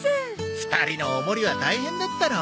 ２人のお守りは大変だったろ？